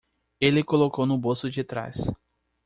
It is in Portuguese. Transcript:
Ele colocou no bolso de trás.